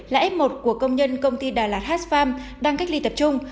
là f một của công nhân công ty đà lạt hatch farm đang cách ly tập trung